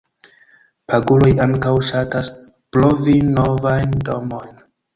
Paguroj ankaŭ ŝatas provi novajn domojn.